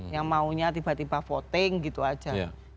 yang maunya tiba tiba voting gitu aja